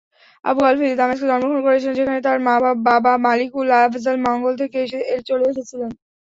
আবু-আল-ফিদা দামেস্কে জন্মগ্রহণ করেছিলেন, যেখানে তার বাবা মালিক উল-আফজাল মঙ্গোল থেকে চলে এসেছিলেন।